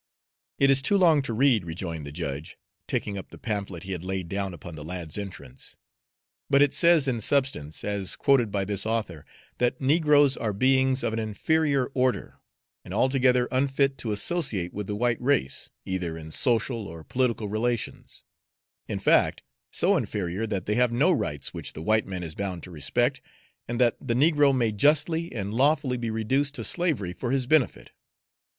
"It is too long to read," rejoined the judge, taking up the pamphlet he had laid down upon the lad's entrance, "but it says in substance, as quoted by this author, that negroes are beings 'of an inferior order, and altogether unfit to associate with the white race, either in social or political relations; in fact, so inferior that they have no rights which the white man is bound to respect, and that the negro may justly and lawfully be reduced to slavery for his benefit.'